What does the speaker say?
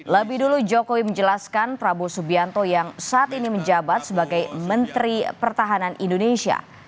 lebih dulu jokowi menjelaskan prabowo subianto yang saat ini menjabat sebagai menteri pertahanan indonesia